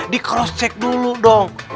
dikroscek dulu dong